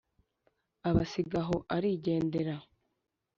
abasiga aho arigendera